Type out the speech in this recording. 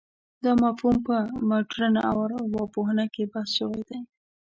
دا مفهوم په مډرنه ارواپوهنه کې بحث شوی دی.